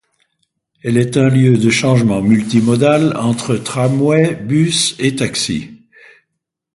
Elle est un lieu de changement multimodal entre tramway, bus et taxi.